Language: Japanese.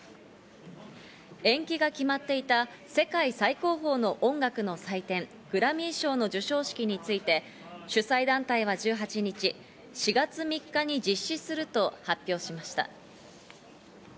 延期が決まっていた世界最高峰の音楽の祭典、グラミー賞の授賞式について、主催団体は１８日、４月３日に実施すると発表しました。